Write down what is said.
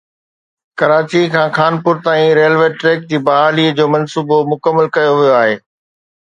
ڪراچي کان خانپور تائين railway track جي بحالي جو منصوبو مڪمل ڪيو ويو آهي